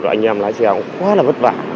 anh em lái xe cũng quá là vất vả